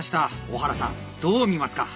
小原さんどう見ますか？